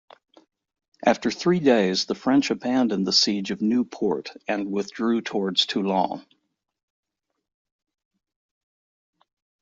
After three days the French abandoned the siege of Nieuwpoort and withdrew towards Toulon.